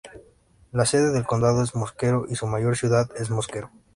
La sede del condado es Mosquero, y su mayor ciudad es Mosquero.